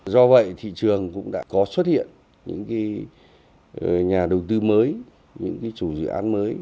do vậy thị trường cũng đã có xuất hiện những nhà đầu tư mới những chủ dự án mới